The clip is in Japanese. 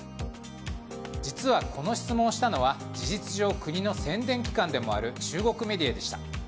実は、この質問をしたのは事実上、国の宣伝機関でもある中国メディアでした。